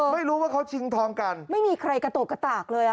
ไม่รู้ว่าเขาชิงทองกันไม่มีใครกระโตกกระตากเลยอ่ะ